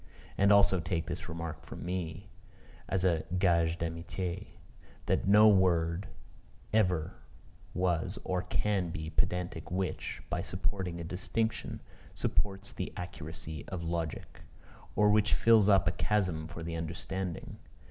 And also take this remark from me, as a gage d'amitié that no word ever was or can be pedantic which, by supporting a distinction, supports the accuracy of logic; or which fills up a chasm for the understanding.